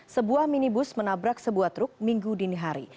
sebuah minibus menabrak sebuah truk minggu dini hari